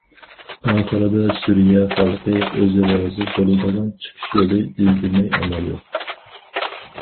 ئاخىرىدا سۈرىيە خەلقى ئۆزى رازى بولىدىغان چىقىش يولى ئىزدىمەي ئامال يوق.